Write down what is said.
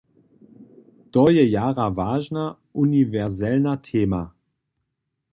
To je jara wažna, uniwerselna tema.